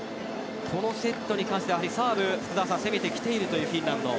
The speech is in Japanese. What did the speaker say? このセットに関してはサーブ攻めてきているフィンランド。